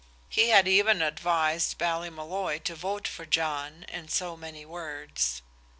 He had even advised Ballymolloy to vote for John, in so many words.